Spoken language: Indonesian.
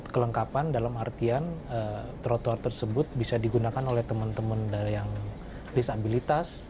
kelengkapan dalam artian trotoar tersebut bisa digunakan oleh teman teman dari yang disabilitas